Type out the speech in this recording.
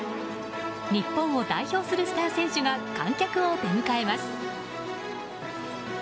日本を代表するスター選手が観客を出迎えます。